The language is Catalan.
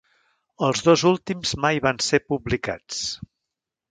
Els dos últims mai van ser publicats.